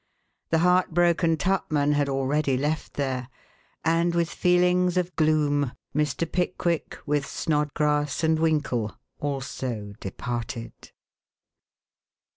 The heartbroken Tupman had already left there, and with feelings of gloom Mr. Pickwick, with Snodgrass and Winkle, also departed.